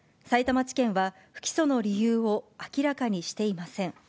さいたま地検は不起訴の理由を明らかにしていません。